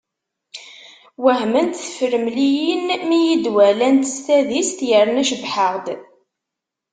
Wehment tefremliyin mi i yi-d-wallent s tadist yerna cebbḥeɣ-d.